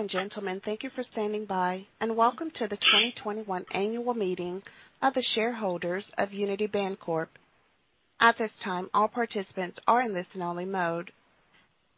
Ladies and gentlemen, thank you for standing by, and welcome to the 2021 annual meeting of the shareholders of Unity Bancorp. At this time, all participants are in listen-only mode.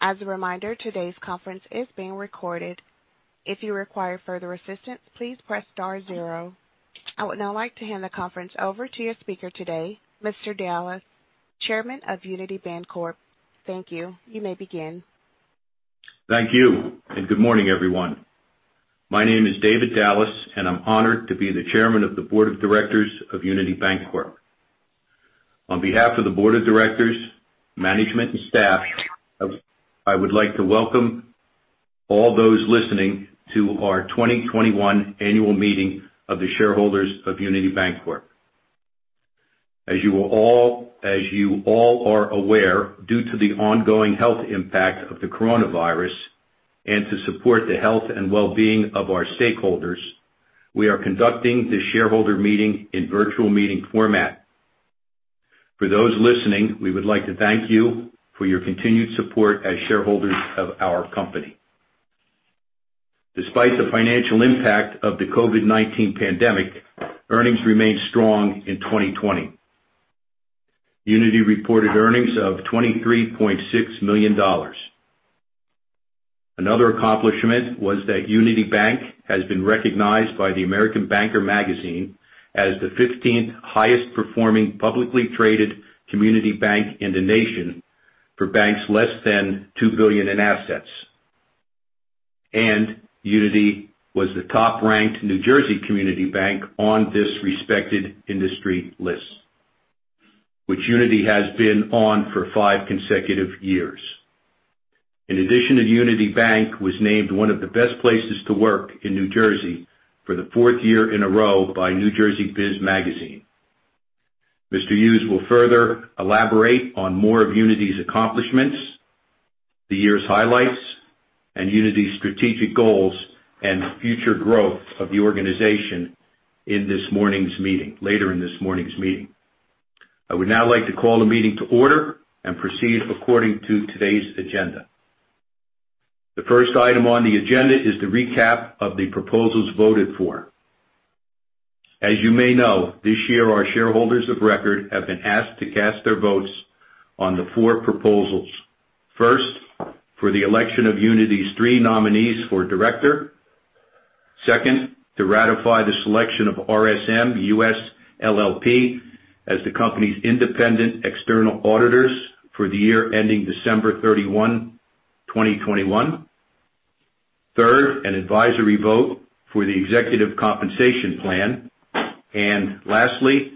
As a reminder, today's conference is being recorded. I would now like to hand the conference over to your speaker today, Mr. Dallas, Chairman of Unity Bancorp. Thank you. You may begin. Thank you. Good morning, everyone. My name is David Dallas. I am honored to be the Chairman of the Board of Directors of Unity Bancorp. On behalf of the Board of Directors, management, and staff, I would like to welcome all those listening to our 2021 annual meeting of the shareholders of Unity Bancorp. As you all are aware, due to the ongoing health impact of the coronavirus and to support the health and well-being of our stakeholders, we are conducting this shareholder meeting in virtual meeting format. For those listening, we would like to thank you for your continued support as shareholders of our company. Despite the financial impact of the COVID-19 pandemic, earnings remained strong in 2020. Unity reported earnings of $23.6 million. Another accomplishment was that Unity Bank has been recognized by the American Banker Magazine as the 15th highest-performing publicly traded community bank in the nation for banks less than $2 billion in assets. Unity was the top-ranked New Jersey community bank on this respected industry list, which Unity has been on for five consecutive years. In addition, Unity Bank was named one of the best places to work in New Jersey for the fourth year in a row by New Jersey Biz Magazine. Mr. Hughes will further elaborate on more of Unity's accomplishments, the year's highlights, and Unity's strategic goals and future growth of the organization later in this morning's meeting. I would now like to call the meeting to order and proceed according to today's agenda. The first item on the agenda is the recap of the proposals voted for. As you may know, this year, our shareholders of record have been asked to cast their votes on the four proposals. First, for the election of Unity's three nominees for Director. Second, to ratify the selection of RSM US LLP as the company's independent external auditors for the year ending December 31, 2021. Third, an advisory vote for the executive compensation plan. Lastly,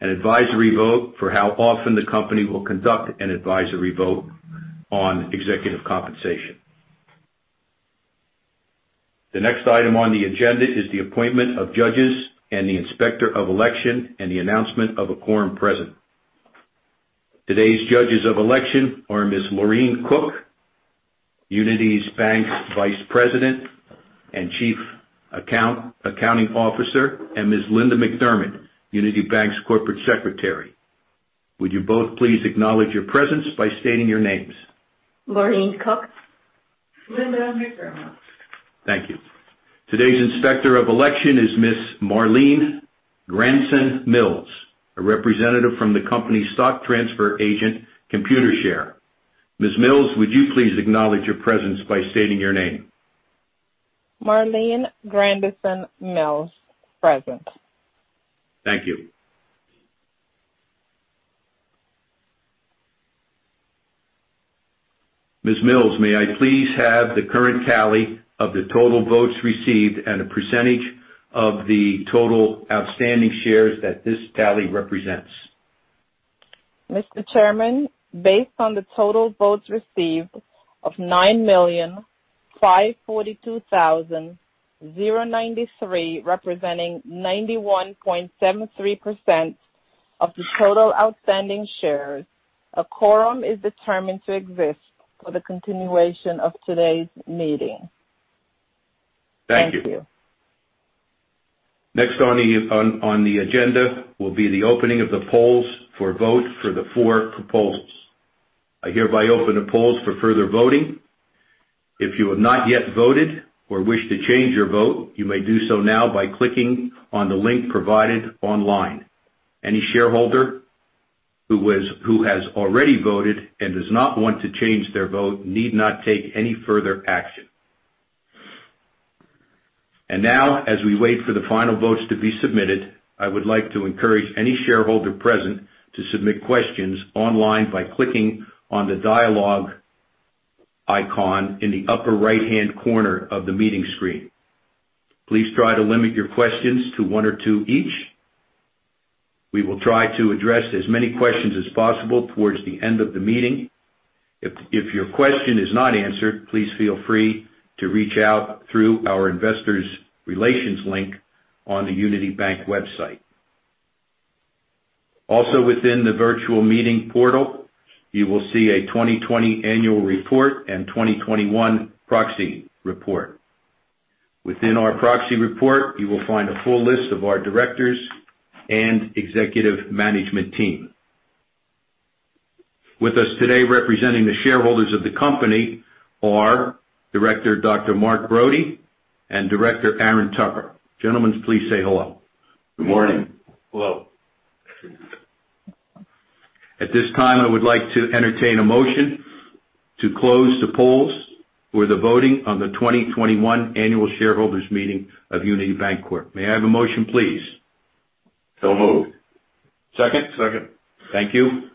an advisory vote for how often the company will conduct an advisory vote on executive compensation. The next item on the agenda is the appointment of judges and the Inspector of Election and the announcement of a quorum present. Today's judges of election are Ms. Laureen Cook, Unity Bank's Vice President and Chief Accounting Officer, and [Ms. Linda MacDermid], Unity Bank's Corporate Secretary. Would you both please acknowledge your presence by stating your names? Laureen Cook. Linda MacDermid. Thank you. Today's Inspector of Election is Ms. Marleen Grandeson-Mills, a Representative from the company's stock transfer agent, Computershare. Ms. Mills, would you please acknowledge your presence by stating your name? Marleen Grandeson-Mills, present. Thank you. Ms. Mills, may I please have the current tally of the total votes received and a percentage of the total outstanding shares that this tally represents? Mr. Chairman, based on the total votes received of 9,542,093, representing 91.73% of the total outstanding shares, a quorum is determined to exist for the continuation of today's meeting. Thank you. Thank you. Next on the agenda will be the opening of the polls for vote for the four proposals. I hereby open the polls for further voting. If you have not yet voted or wish to change your vote, you may do so now by clicking on the link provided online. Any shareholder who has already voted and does not want to change their vote need not take any further action. Now, as we wait for the final votes to be submitted, I would like to encourage any shareholder present to submit questions online by clicking on the Dialogue icon in the upper right-hand corner of the meeting screen. Please try to limit your questions to one or two each. We will try to address as many questions as possible towards the end of the meeting. If your question is not answered, please feel free to reach out through our investor relations link on the Unity Bank website. Also within the virtual meeting portal, you will see a 2020 annual report and 2021 proxy report. Within our proxy report, you will find a full list of our directors and executive management team. With us today representing the shareholders of the company are Director Mark Brody and Director Aaron Tucker. Gentlemen, please say hello. Good morning. Hello. At this time, I would like to entertain a motion to close the polls for the voting on the 2021 annual shareholders meeting of Unity Bancorp. May I have a motion, please? So moved. Second. Second. Thank you.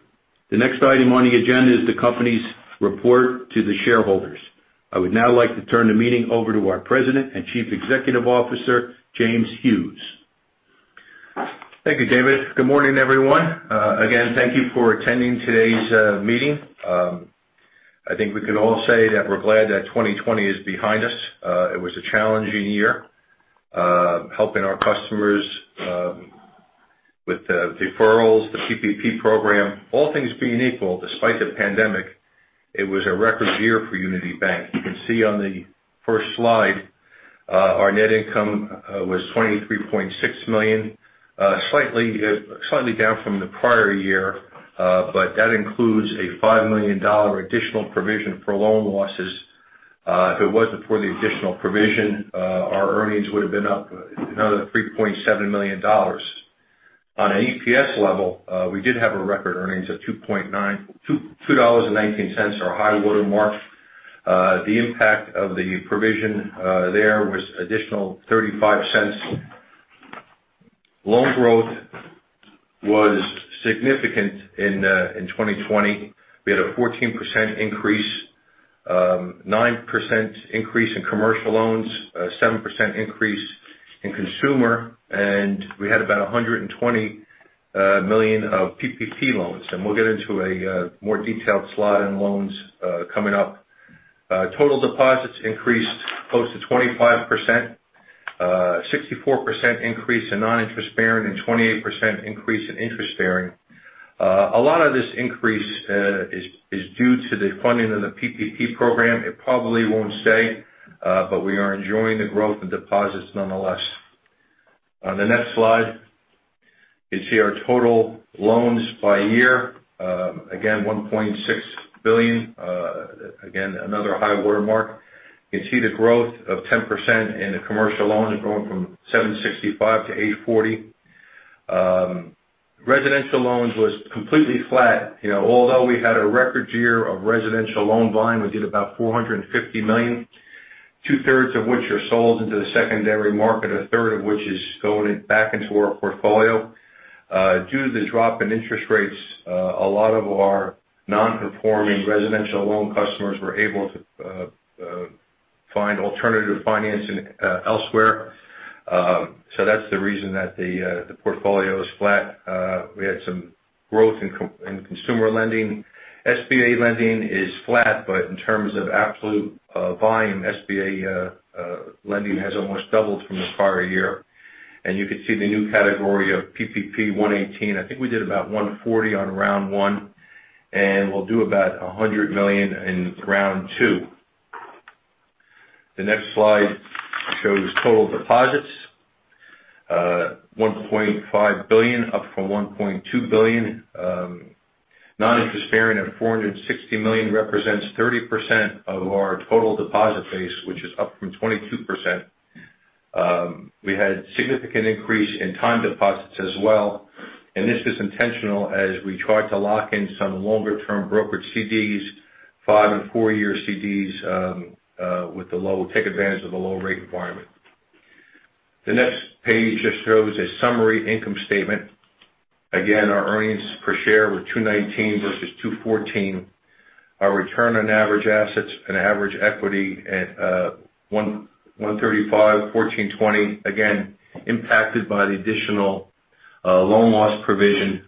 The next item on the agenda is the company's report to the shareholders. I would now like to turn the meeting over to our President and Chief Executive Officer, James Hughes. Thank you, David. Good morning, everyone. Again, thank you for attending today's meeting. I think we can all say that we're glad that 2020 is behind us. It was a challenging year helping our customers with deferrals, the PPP program. All things being equal, despite the pandemic, it was a record year for Unity Bank. You can see on the first slide, our net income was $23.6 million. Slightly down from the prior year, that includes a $5 million additional provision for loan losses. If it wasn't for the additional provision, our earnings would have been up another $3.7 million. On an EPS level, we did have a record earnings of $2.19, our high watermark. The impact of the provision there was an additional $0.35. Loan growth was significant in 2020. We had a 14% increase, 9% increase in commercial loans, 7% increase in consumer, we had about $120 million of PPP loans. We'll get into a more detailed slide on loans coming up. Total deposits increased close to 25%, 64% increase in non-interest bearing, 28% increase in interest bearing. A lot of this increase is due to the funding of the PPP program. It probably won't stay, we are enjoying the growth in deposits nonetheless. On the next slide, you see our total loans by year. Again, $1.6 billion. Again, another high watermark. You can see the growth of 10% in the commercial loans growing from $765-$840. Residential loans was completely flat. Although we had a record year of residential loan volume, we did about $450 million, 2/3 of which are sold into the secondary market, a third of which is going back into our portfolio. Due to the drop in interest rates, a lot of our non-performing residential loan customers were able to find alternative financing elsewhere. That's the reason that the portfolio is flat. We had some growth in consumer lending. SBA lending is flat, in terms of absolute volume, SBA lending has almost doubled from the prior year. You can see the new category of PPP 118. I think we did about $140 on round one, we'll do about $100 million in round two. The next slide shows total deposits. $1.5 billion, up from $1.2 billion. Non-interest bearing at $460 million represents 30% of our total deposit base, which is up from 22%. We had significant increase in time deposits as well. This is intentional as we tried to lock in some longer-term brokerage CDs, five- and four-year CDs to take advantage of the low rate environment. The next page just shows a summary income statement. Again, our earnings per share were $2.19 versus $2.14. Our return on average assets and average equity at 1.35%, 14.20%, again, impacted by the additional loan loss provision.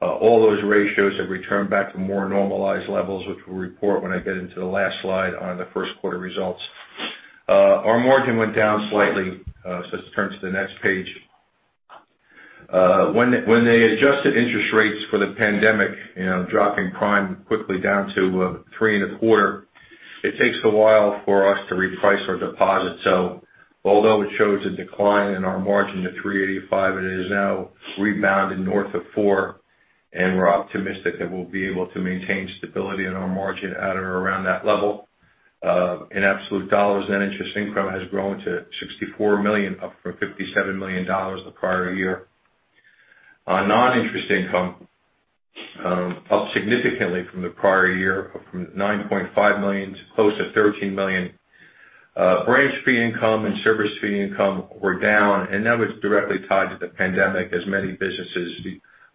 All those ratios have returned back to more normalized levels, which we'll report when I get into the last slide on the first quarter results. Our margin went down slightly. Let's turn to the next page. When they adjusted interest rates for the pandemic, dropping prime quickly down to three and a quarter, it takes a while for us to reprice our deposits. Although it shows a decline in our margin to 3.85, it has now rebounded north of four, and we're optimistic that we'll be able to maintain stability in our margin at or around that level. In absolute dollars, net interest income has grown to $64 million, up from $57 million the prior year. Non-interest income up significantly from the prior year, up from $9.5 million to close to $13 million. Branch fee income and service fee income were down, and that was directly tied to the pandemic. As many businesses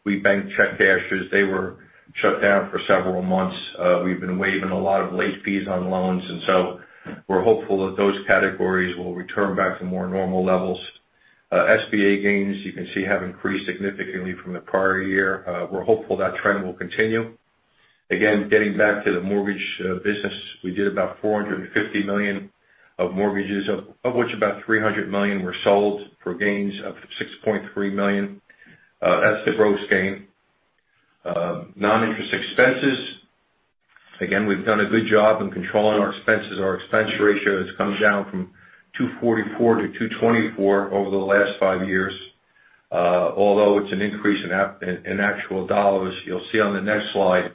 we bank, check cashers, they were shut down for several months. We've been waiving a lot of late fees on loans, and so we're hopeful that those categories will return back to more normal levels. SBA gains, you can see, have increased significantly from the prior year. We're hopeful that trend will continue. Again, getting back to the mortgage business, we did about $450 million of mortgages, of which about $300 million were sold for gains of $6.3 million. That's the gross gain. Non-interest expenses. Again, we've done a good job in controlling our expenses. Our expense ratio has come down from $2.44-$2.24 over the last five years. Although it's an increase in actual dollars, you'll see on the next slide.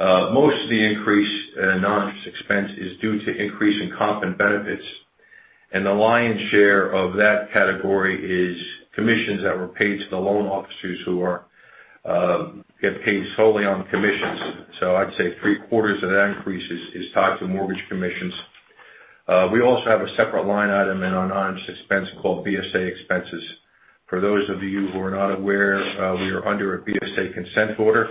Most of the increase in non-interest expense is due to increase in comp and benefits, and the lion's share of that category is commissions that were paid to the loan officers who get paid solely on commissions. I'd say 3/4 of that increase is tied to mortgage commissions. We also have a separate line item in our non-interest expense called BSA expenses. For those of you who are not aware, we are under a BSA consent order.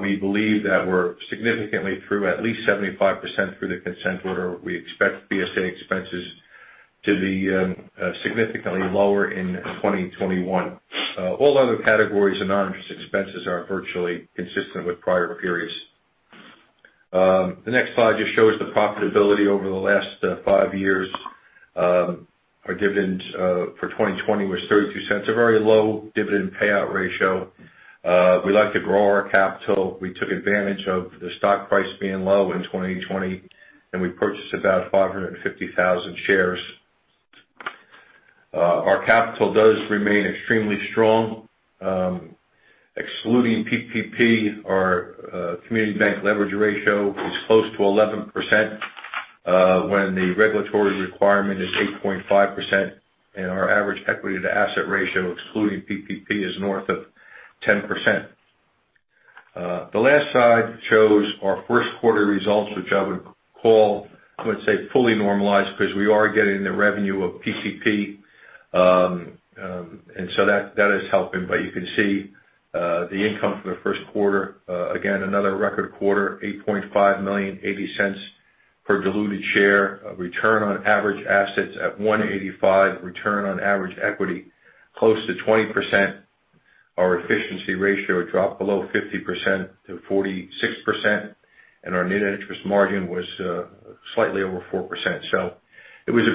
We believe that we're significantly through at least 75% through the consent order. We expect BSA expenses to be significantly lower in 2021. All other categories of non-interest expenses are virtually consistent with prior periods. The next slide just shows the profitability over the last five years. Our dividends, for 2020, was $0.32, a very low dividend payout ratio. We like to grow our capital. We took advantage of the stock price being low in 2020, and we purchased about 550,000 shares. Our capital does remain extremely strong. Excluding PPP, our Community Bank Leverage Ratio is close to 11%, when the regulatory requirement is 8.5%, and our average equity to asset ratio, excluding PPP, is north of 10%. The last slide shows our first quarter results, which I would say, fully normalized because we are getting the revenue of PPP. That is helping. You can see, the income for the first quarter, again, another record quarter, $8.5 million, $0.80 per diluted share. A return on average assets at 1.85%. Return on average equity, close to 20%. Our efficiency ratio dropped below 50%-46%. Our net interest margin was slightly over 4%. It was a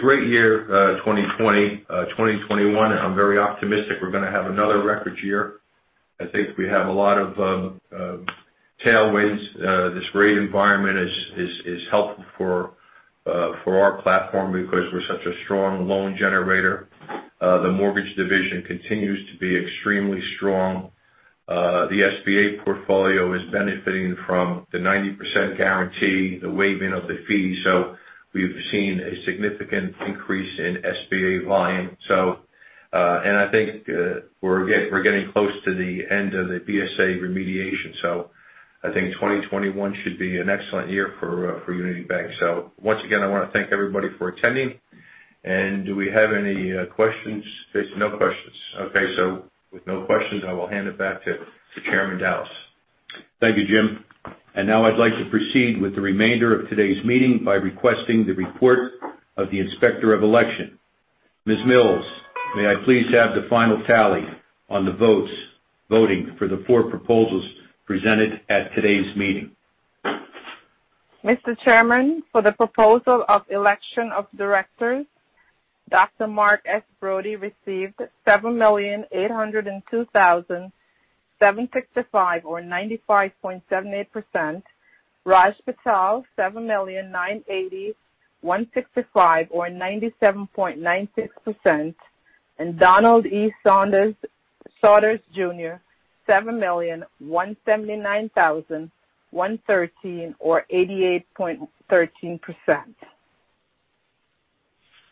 great year, 2020. 2021, I'm very optimistic we're going to have another record year. I think we have a lot of tailwinds. This rate environment is helpful for our platform because we're such a strong loan generator. The mortgage division continues to be extremely strong. The SBA portfolio is benefiting from the 90% guarantee, the waiving of the fees. We've seen a significant increase in SBA volume. I think we're getting close to the end of the BSA remediation. I think 2021 should be an excellent year for Unity Bank. Once again, I want to thank everybody for attending. Do we have any questions? I see no questions. Okay. With no questions, I will hand it back to Chairman Dallas. Thank you, Jim. Now I'd like to proceed with the remainder of today's meeting by requesting the report of the Inspector of Election. Ms. Mills, may I please have the final tally on the votes voting for the four proposals presented at today's meeting? Mr. Chairman, for the proposal of election of Directors, Dr. Mark S. Brody received 7,802,765 or 95.78%. Raj Patel, 7,098,165 or 97.96%. Donald E. Souders, Jr., 7,179,113 or 88.13%.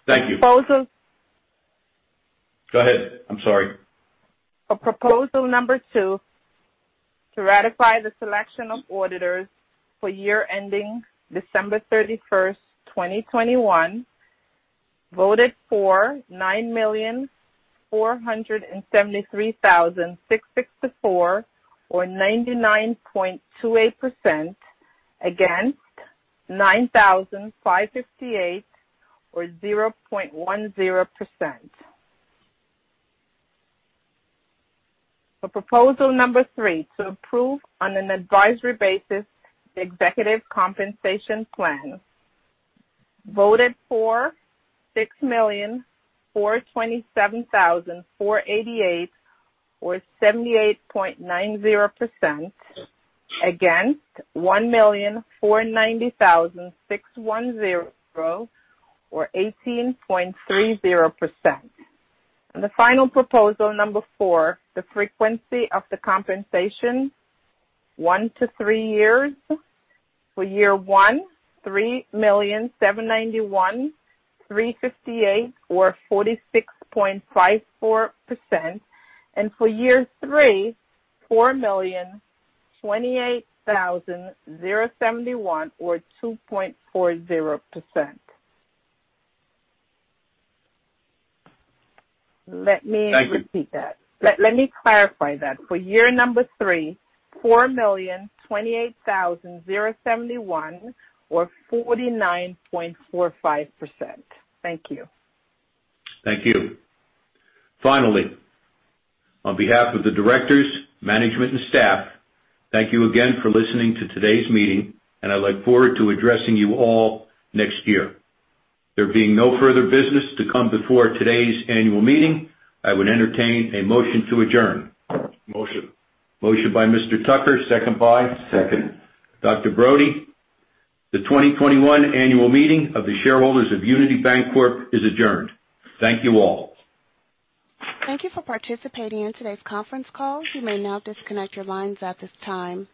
Thank you. Proposal- Go ahead. I'm sorry. For proposal number two, to ratify the selection of auditors for year ending December 31st, 2021. Voted for, 9,473,664 or 99.28%. Against, 9,558 or 0.10%. For proposal number three, to approve on an advisory basis the executive compensation plan. Voted for, 6,427,488 or 78.90%. Against, 1,490,610 or 18.30%. The final proposal number four, the frequency of the compensation one to three years. For year one, 3,791,358 or 46.54%. For year three, 4,028,071 or 2.40%. Thank you. Let me repeat that. Let me clarify that. For year number three, 4,028,071 or 49.45%. Thank you. Thank you. Finally, on behalf of the Directors, management, and staff, thank you again for listening to today's meeting, and I look forward to addressing you all next year. There being no further business to come before today's annual meeting, I would entertain a motion to adjourn. Motion. Motion by Mr. Tucker. Second by? Second. Dr. Brody. The 2021 annual meeting of the shareholders of Unity Bancorp is adjourned. Thank you all. Thank you for participating in today's conference call. You may now disconnect your lines at this time.